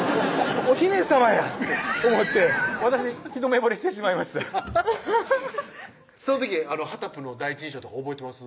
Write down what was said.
お姫さまや！って思って私一目惚れしてしまいましたその時はたぷの第一印象とか覚えてます？